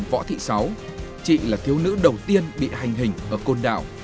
lực lượng vũ trang nhân dân võ thị sáu chị là thiếu nữ đầu tiên bị hành hình ở côn đảo